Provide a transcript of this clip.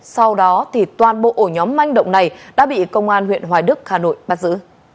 sau đó toàn bộ ổ nhóm manh động này đã bị công an huyện hoài đức hà nội bắt giữ